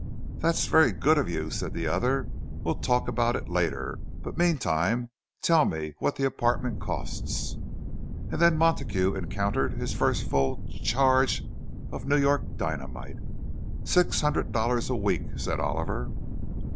"That's very good of you," said the other; "—we'll talk about it later. But meantime, tell me what the apartment costs." And then Montague encountered his first full charge of New York dynamite. "Six hundred dollars a week," said Oliver.